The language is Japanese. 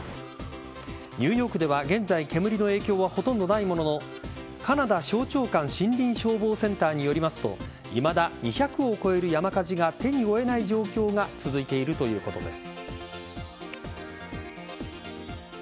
ニューヨークでは現在煙の影響はほとんどないもののカナダ省庁間森林消防センターによりますといまだ２００を超える山火事が手に負えない状況が続いているということです。